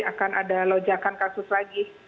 akan ada lonjakan kasus lagi